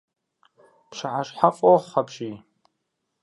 Пщыхьэщхьэфӏохъу апщий!